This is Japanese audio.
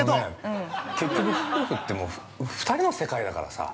◆結局夫婦って、もう２人の世界だからさ。